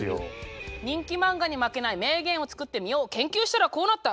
人気漫画に負けない名言を作ってみよう研究したらこうなった。